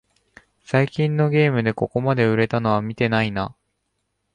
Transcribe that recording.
最近のゲームでここまで売れたのは見てないな